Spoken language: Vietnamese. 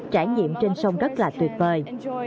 trải nghiệm trên sông rất là tuyệt vời